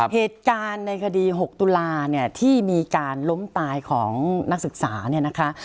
เหตุการณ์ในคดี๖ตุลาเนี่ยที่มีการล้มตายของนักศึกษาเนี่ยนะคะ